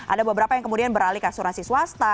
ada beberapa yang kemudian beralih ke asuransi swasta